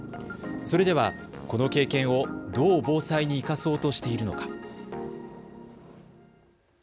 それではこの経験をどう防災に生かそうとしているのか。